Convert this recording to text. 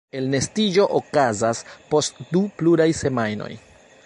Elnestiĝo okazas post du pluaj semajnoj.